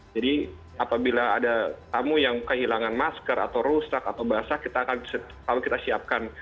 jadi apabila ada tamu yang kehilangan masker atau rusak atau basah kita akan selalu kita siapkan